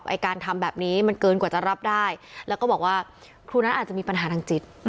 ไอ้การทำแบบนี้มันเกินกว่าจะรับได้แล้วก็บอกว่าครูนั้นอาจจะมีปัญหาทางจิต